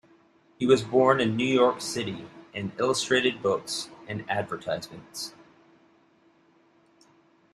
He was born in New York City and illustrated books and advertisements.